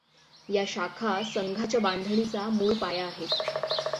या शाखा संघाच्या बांधणीचा मूळ पाया आहेत.